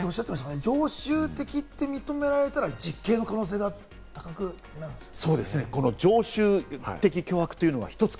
常習的って認められたら実刑の可能性が高くなるんですか？